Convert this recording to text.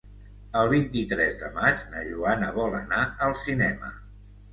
El vint-i-tres de maig na Joana vol anar al cinema.